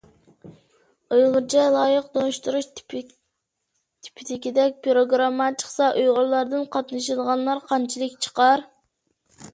ئۇيغۇرچە لايىق تونۇشتۇرۇش تىپىدىكىدەك پىروگرامما چىقسا، ئۇيغۇرلاردىن قاتنىشىدىغانلار قانچىلىك چىقار؟